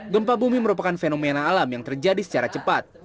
gempa bumi merupakan fenomena alam yang terjadi secara cepat